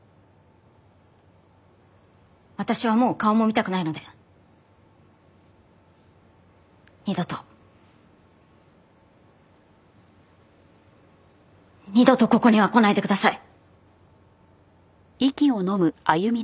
私はもう顔も見たくないので二度と二度とここには来ないでください。